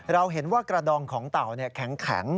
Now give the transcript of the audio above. เราเห็นว่ากระดองของเต่าแข็ง